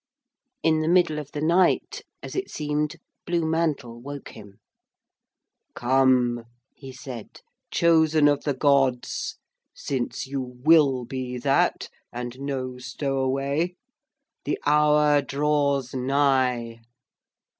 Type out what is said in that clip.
In the middle of the night, as it seemed, Blue Mantle woke him. 'Come,' he said, 'Chosen of the Gods since you will be that, and no stowaway the hour draws nigh.'